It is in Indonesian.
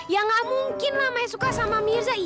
ya gak mungkin lah maya suka sama mirza